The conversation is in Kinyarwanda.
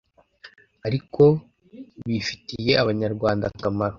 ariko bifi tiye Abanyarwanda akamaro